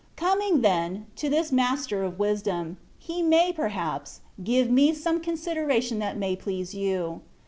Coming, then, to this Master of Wisdom, He may, perhaps, give me some consideration that may please you.